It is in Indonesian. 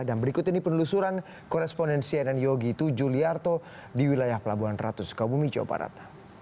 dan berikut ini penelusuran korespondensi aidan yogi itu juliarto di wilayah pelabuhan ratu sukabumi jawa barat